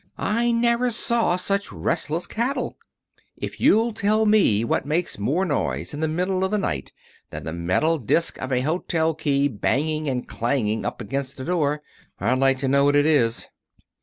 I never saw such restless cattle. If you'll tell me what makes more noise in the middle of the night than the metal disk of a hotel key banging and clanging up against a door, I'd like to know what it is.